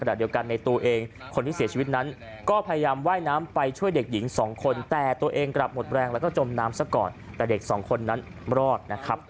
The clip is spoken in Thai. ขณะเดียวกันในตัวเองคนที่เสียชีวิตนั้นก็พยายามว่ายน้ำไปช่วยเด็กหญิงสองคนแต่ตัวเองกลับหมดแรงแล้วก็จมน้ำซะก่อนแต่เด็กสองคนนั้นรอดนะครับ